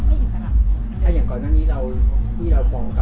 ไม่ใช่ว่าจบจากค่ายหนึ่งแต่อยู่อีกค่ายหนึ่งอันนี้มันก็ไม่อิสระ